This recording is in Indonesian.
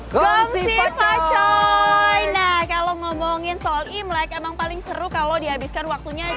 gongsi pacoy nah kalau ngomongin soal imlek emang paling seru kalau dihabiskan waktunya